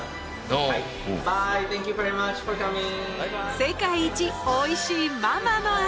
世界一おいしいママの味